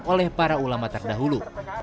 oleh para ulama terdahulu